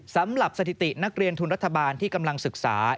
สำหรับสถิตินักเรียนทุนรัฐบาลที่กำลังศึกษา